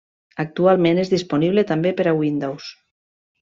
Actualment és disponible també per a Windows.